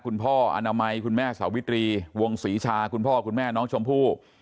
คุณพ่ออนามัยคุณแม่สาวิตรีวงศรีชาคุณพ่อคุณแม่น้องชมพู่